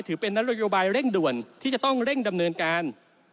ถือเป็นนโยบายเร่งด่วนที่จะต้องเร่งดำเนินการ